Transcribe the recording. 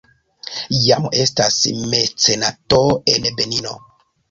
Jam estas mecenato en Benino.